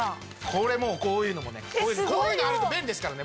これこういうのもねこういうのあると便利ですからね。